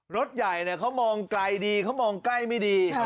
รถใหญ่เขามองไกลดีเขามองใกล้ไม่ดี